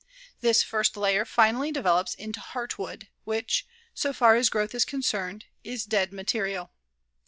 This first layer finally develops into heartwood, which, so far as growth is concerned, is dead material.